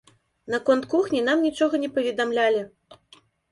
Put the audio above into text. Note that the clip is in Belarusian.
Наконт кухні нам нічога не паведамлялі.